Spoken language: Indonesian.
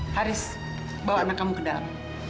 haris bawa anak kamu ke dalam